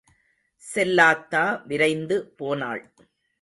செல்லாத்தா விரைந்து போனாள்.